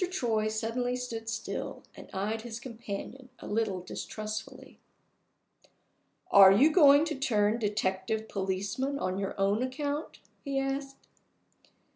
Troy suddenly stood still, and eyed his companion a little distrustfully. "Are you going to turn detective policeman on your own account?" he asked.